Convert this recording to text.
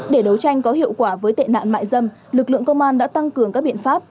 để đấu tranh có hiệu quả với tệ nạn mại dâm lực lượng công an đã tăng cường các biện pháp